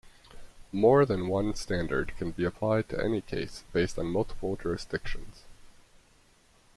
More than one standard can be applied to any case based on multiple jurisdictions.